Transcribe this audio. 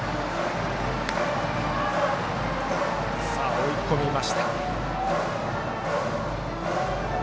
追い込みました。